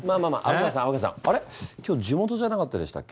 今日地元じゃなかったでしたっけ？